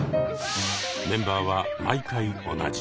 メンバーは毎回同じ。